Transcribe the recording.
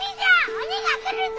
鬼が来るぞ！